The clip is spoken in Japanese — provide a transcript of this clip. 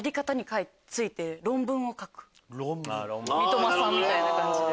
三笘さんみたいな感じで。